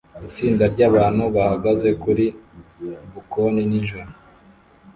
Itsinda ryabantu bahagaze kuri bkoni nijoro